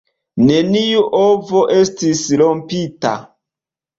Neniu ovo estis rompita.